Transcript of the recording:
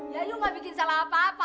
ya yuk gak bikin salah apa apa